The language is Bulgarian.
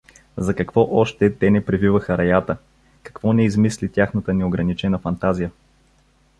За какво още те не превиваха раята, какво не измисли тяхната неограничена фантазия!